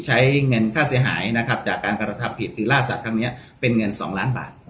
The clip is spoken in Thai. ใช้เงินฯทธิษฐ์หายนะครับจากการการทัศน์ผิดหรือลาศักดิ์เงิน๒ล้านบาท